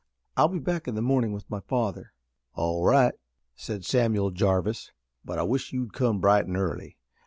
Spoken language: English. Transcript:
I'll be back in the morning with my father." "All right," said Samuel Jarvis, "but I wish you'd come bright an' early.